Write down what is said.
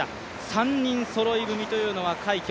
３人そろい踏みというのは快挙。